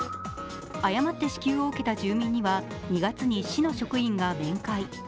誤って支給を受けた住民には２月に市の職員が面会。